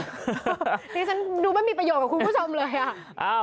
นี่ฉันดูไม่มีประโยชน์กับคุณผู้ชมเลยอ่ะ